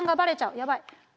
やばい。